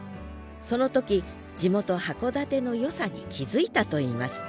その時地元函館のよさに気付いたといいます